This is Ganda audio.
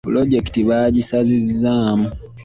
Pulojekiti baagisazizzaamu.